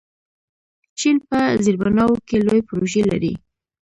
چین په زیربناوو کې لوی پروژې لري.